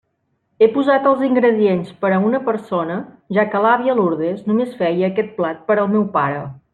He posat els ingredients per a una persona, ja que l'àvia Lourdes només feia aquest plat per al meu pare.